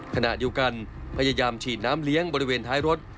ขณะเดียวกันพยายามฉีดน้ำเลี้ยงบริเวณท้ายรถ